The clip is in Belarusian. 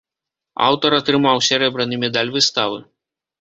Аўтар атрымаў сярэбраны медаль выставы.